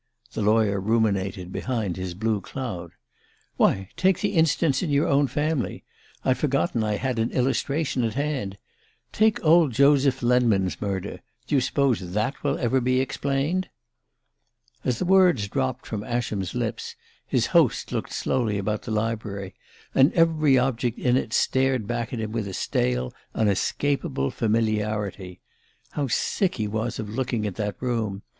The lawyer ruminated behind his blue cloud. "Why, take the instance in your own family: I'd forgotten I had an illustration at hand! Take old Joseph Lenman's murder do you suppose that will ever be explained?" As the words dropped from Ascham's lips his host looked slowly about the library, and every object in it stared back at him with a stale unescapable familiarity. How sick he was of looking at that room!